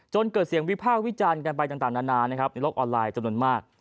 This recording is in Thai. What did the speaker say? จนเกิดเสียงวิพากษ์วิจารณ์กันไปต่างนานในรถออนไลน์จำนวนมาก